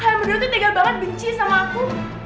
kalian bener bener tuh tega banget benci sama aku